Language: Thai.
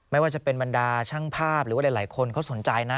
ไม่ว่าจะเป็นบรรดาช่างภาพหรือว่าหลายคนเขาสนใจนะ